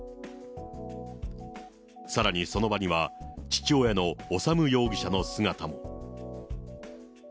さらにその場には、父親の修容疑者の姿も。